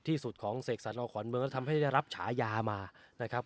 ที่สุดของเสกสรรอขอนเมืองก็ทำให้ได้รับฉายามานะครับ